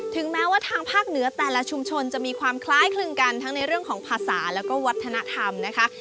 แม้ว่าทางภาคเหนือแต่ละชุมชนจะมีความคล้ายคลึงกันทั้งในเรื่องของภาษาแล้วก็วัฒนธรรมนะคะ